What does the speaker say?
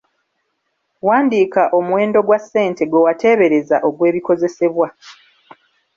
Wandiika omuwendo gwa ssente gwe wateebereza ogw’ebikozesebwa.